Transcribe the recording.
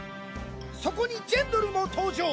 そこにジェンドルも登場。